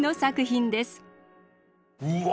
うわ